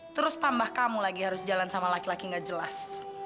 terus tambah kamu lagi harus jalan sama laki laki gak jelas